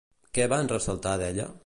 Què van ressaltar d'ella?